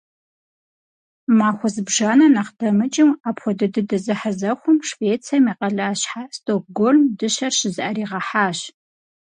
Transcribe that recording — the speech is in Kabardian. Махуэ зыбжанэ нэхъ дэмыкӀыу апхуэдэ дыдэ зэхьэзэхуэм Швецием и къалащхьэ Стокгольм дыщэр щызыӀэригъэхьащ.